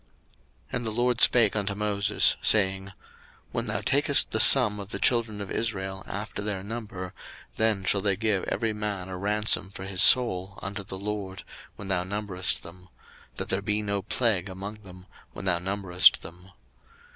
02:030:011 And the LORD spake unto Moses, saying, 02:030:012 When thou takest the sum of the children of Israel after their number, then shall they give every man a ransom for his soul unto the LORD, when thou numberest them; that there be no plague among them, when thou numberest them.